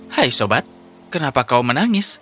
hai sobat kenapa kau menangis